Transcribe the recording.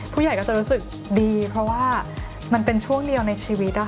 ผู้ใหญ่ก็จะรู้สึกดีเพราะว่ามันเป็นช่วงเดียวในชีวิต